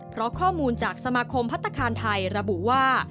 เพราะข้อมูลจากสมาคมพัฒนาคารไทยระบุว่า